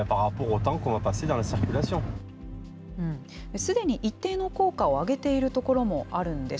すでに一定の効果を上げている所もあるんです。